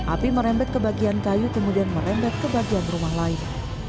api merembet ke bagian kayu kemudian merembet ke bagian rumah lain